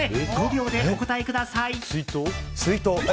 ５秒でお答えください。